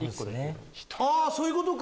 そういうことか！